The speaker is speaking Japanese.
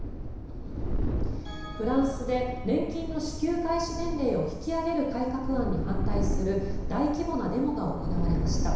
フランスで年金の支給開始年齢を引き上げる改革案に反対する大規模なデモが行われました。